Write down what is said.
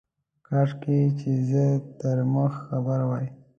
کاشکي چي زه تر مخ خبر وای.